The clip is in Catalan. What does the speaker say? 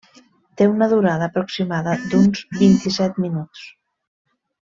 Té una durada aproximada d'uns vint-i-set minuts.